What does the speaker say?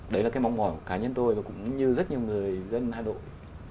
đấy là cái mong mỏi của cá nhân tôi và cũng như rất nhiều người dân hà nội